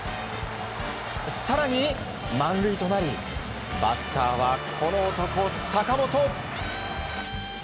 更に、満塁となりバッターはこの男、坂本。